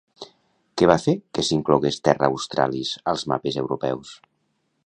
Què va fer que s'inclogués Terra Australis als mapes europeus?